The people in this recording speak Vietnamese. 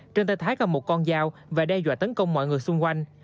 trên tay thái còn một con dao và đe dọa tấn công mọi người xung quanh